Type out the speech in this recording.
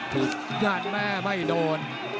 ถูกกัฎแม่ไม่โดน